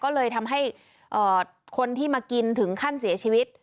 ก็เลยทำให้คนที่มากินถึงขั้นเสียชีวิต